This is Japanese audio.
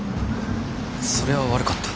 それは悪かった。